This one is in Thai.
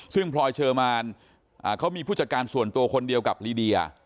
ซึ่งพลอยเชอร์มานเขามีผู้จัดการส่วนตัวคนเดียวกับลีเดีย